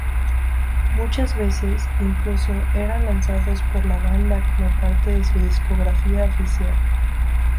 Muchas veces, incluso eran lanzados por la banda como parte de su discografía oficial.